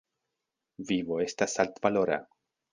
Vivo estas altvalora.